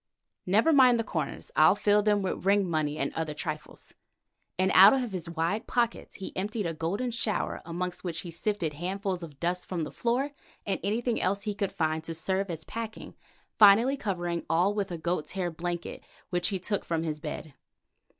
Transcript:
Never mind the corners, I'll fill them with ring money and other trifles," and out of his wide pockets he emptied a golden shower, amongst which he sifted handfuls of dust from the floor and anything else he could find to serve as packing, finally covering all with a goat's hair blanket which he took from his bed.